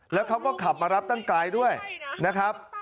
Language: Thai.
แล้วเขาก็ขับมารับตั้งไกลด้วยนะครับ